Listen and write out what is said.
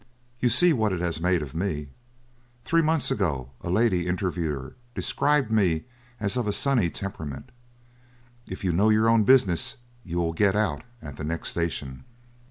You see what it has made of me! Three months ago a lady interviewer described me as of a sunny temperament. If you know your own business you will get out at the next station."